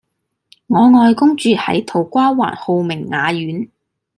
我外公住喺土瓜灣浩明雅苑